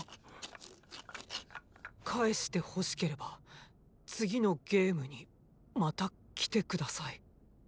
返してほしければ次のゲームにまた来て下さい。